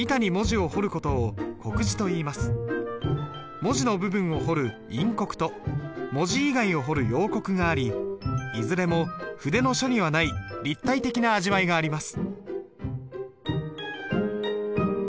文字の部分を彫る陰刻と文字以外を彫る陽刻がありいずれも筆の書にはない立体的な味わいがあります。